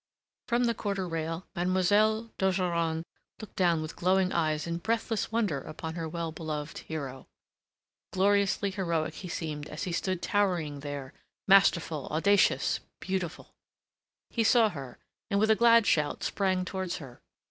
From the quarter rail Mademoiselle d'Ogeron looked down with glowing eyes in breathless wonder upon her well beloved hero. Gloriously heroic he seemed as he stood towering there, masterful, audacious, beautiful. He saw her, and with a glad shout sprang towards her.